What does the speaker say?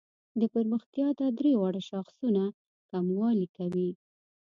د پرمختیا دا درې واړه شاخصونه کموالي کوي.